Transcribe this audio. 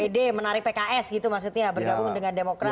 pd menarik pks gitu maksudnya bergabung dengan demokrat